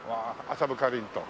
「麻布かりんと」。